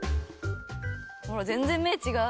ほら全然目違う！